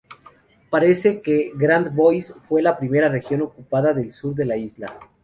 Parece que Grand Bois fue la primera región ocupada del sur de la isla.